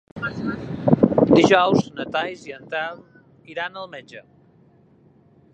Dijous na Thaís i en Telm iran al metge.